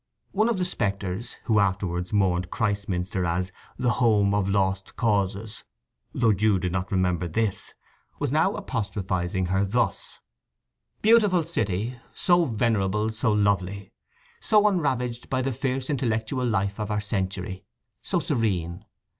One of the spectres (who afterwards mourned Christminster as "the home of lost causes," though Jude did not remember this) was now apostrophizing her thus: "Beautiful city! so venerable, so lovely, so unravaged by the fierce intellectual life of our century, so serene!